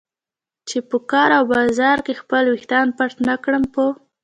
چې په کار او بازار کې خپل ویښتان پټ نه کړم. په